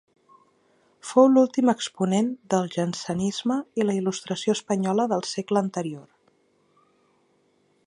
Fou l'últim exponent del jansenisme i la il·lustració espanyola del segle anterior.